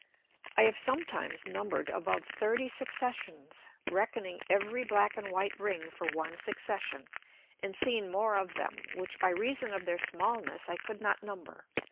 I have sometimes number'd above thirty Successions (reckoning every black and white Ring for one Succession) and seen more of them, which by reason of their smalness I could not number.